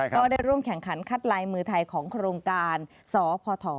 ก็ได้ร่วมแข่งขันคัดลายมือไทยของโครงการสพ